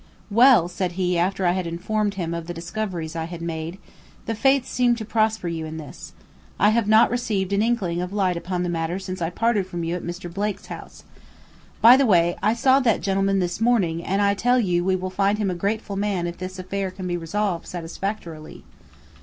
"Well," said he after I had informed him of the discoveries I had made, "the fates seem to prosper you in this. I have not received an inkling of light upon the matter since I parted from you at Mr. Blake's house. By the way I saw that gentleman this morning and I tell you we will find him a grateful man if this affair can be resolved satisfactorily."